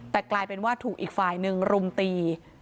แต่กลายเป็นว่าถูกอีกฝ่ายหนึ่งรุมตี